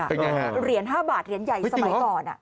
เป็นอย่างไรครับไม่จริงเหรอเหรียญ๕บาทเหรียญใหญ่สมัยก่อน